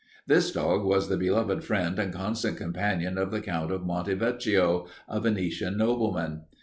"This dog was the beloved friend and constant companion of the Count of Monte Veccios, a Venetian nobleman.